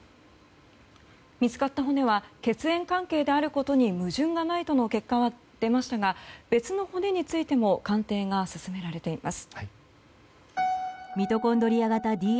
見つかった骨は血縁関係であることに矛盾はないとの結果が出ましたが別の骨についても鑑定が進められています。